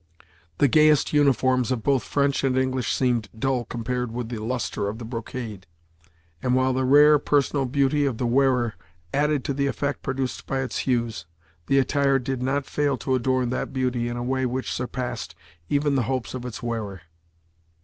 The gayest uniforms of both French and English seemed dull compared with the lustre of the brocade, and while the rare personal beauty of the wearer added to the effect produced by its hues, the attire did not fail to adorn that beauty in a way which surpassed even the hopes of its wearer.